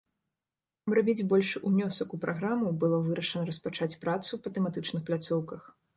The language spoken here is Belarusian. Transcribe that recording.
Каб рабіць большы ўнёсак у праграму, было вырашана распачаць працу па тэматычных пляцоўках.